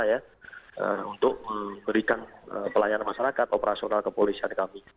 untuk memberikan pelayanan masyarakat operasional kepolisian kami